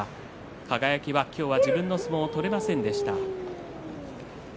輝は今日、自分の相撲が取れませんでした。